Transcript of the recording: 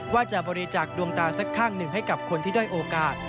ว่าจะบริจาคดวงตาสักข้างหนึ่งให้กับคนที่ด้อยโอกาส